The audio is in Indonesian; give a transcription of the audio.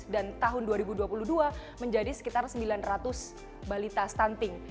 dan tahun dua ribu dua puluh dua menjadi sekitar sembilan ratus balita stunting